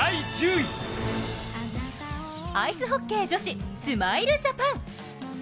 アイスホッケー女子、スマイルジャパン。